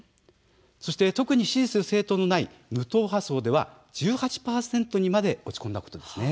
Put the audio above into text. そして、特に支持する政党のない無党派層では１８％にまで落ち込んだことです。